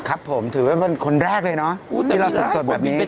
ครับผมถือว่าเป็นคนแรกเลยเนอะที่เราสดแบบนี้